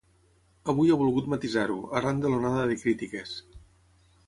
Avui ha volgut matisar-ho, arran de l’onada de crítiques.